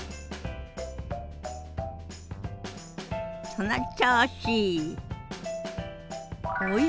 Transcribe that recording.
その調子！